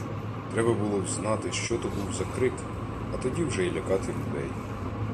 Треба було взнати, що то був за крик, а тоді вже й лякати людей.